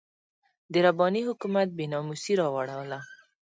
د رباني حکومت بې ناموسي راواړوله.